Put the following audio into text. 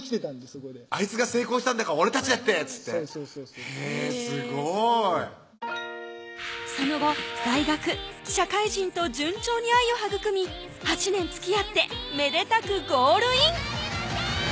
そこで「あいつが成功したんだから俺たちだって」っつってへぇすごいその後大学・社会人と順調に愛を育み８年つきあってめでたくゴールイン